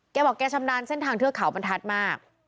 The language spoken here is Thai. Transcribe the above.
แกบอกแกชำนาญเส้นทางเทือกเขาบรรทัศน์มาก